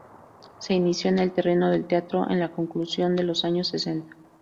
Se inició en el terreno del teatro a la conclusión de los años sesenta.